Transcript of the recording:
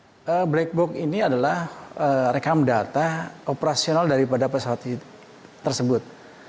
jadi kalau kita menggunakan data operasional kita bisa menggunakan data operasional untuk mengurangi kecepatan ketinggian dan pergerakan pesawat tersebut